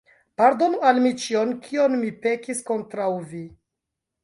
Pardonu al mi ĉion, kion mi pekis kontraŭ vi!